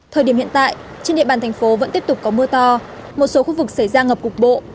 thời điểm hiện tại trên địa bàn thành phố vẫn tiếp tục có mưa to một số khu vực xảy ra ngập cục bộ